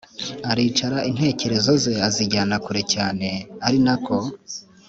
aricara intekerezo ze azijyana kure cyane arinako